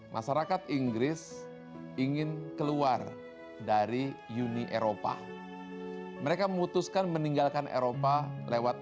masyarakat inggris ingin keluar dari uni eropa mereka memutuskan meninggalkan eropa lewat